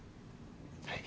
はい。